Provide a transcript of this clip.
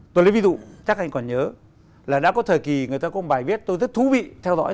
tôi lấy ví dụ các anh còn nhớ là đã có thời kỳ người ta có bài viết tôi rất thú vị theo dõi